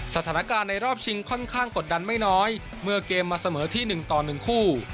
สถานการณ์ในรอบชิงค่อนข้างกดดันไม่น้อยเมื่อเกมมาเสมอที่๑ต่อ๑คู่